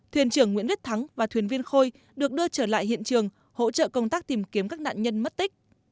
thuyền trưởng nguyễn viết thắng và thuyền viên khôi được đưa trở lại hiện trường hỗ trợ công tác tìm kiếm các nạn nhân mất tích